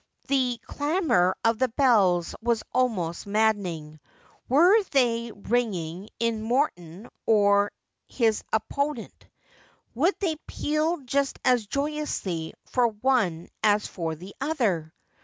The clamour of the bells was almost maddening. Were they ringing in Morton or his oppon ent 1 They would peal just as joyously for one as for the other.